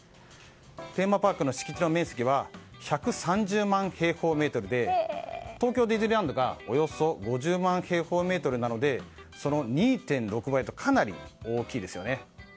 テーマパークの敷地の面積は１３０万平方メートルで東京ディズニーランドがおよそ５０万平方メートルなのでその２．６倍とかなり大きいですよね。